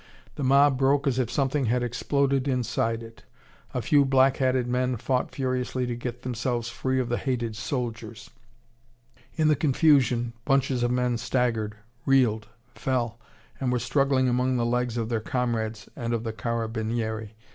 The mob broke as if something had exploded inside it. A few black hatted men fought furiously to get themselves free of the hated soldiers; in the confusion bunches of men staggered, reeled, fell, and were struggling among the legs of their comrades and of the carabinieri.